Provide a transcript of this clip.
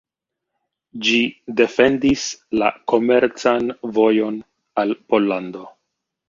Ĝi defendis la komercan vojon al Pollando.